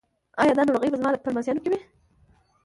ایا دا ناروغي به زما په لمسیانو کې وي؟